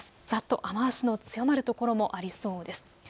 ざっと雨足の強まる所もありそうです。